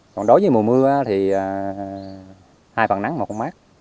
còn đối với mùa mưa thì hai phần nắng một phần mát